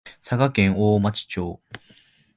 佐賀県大町町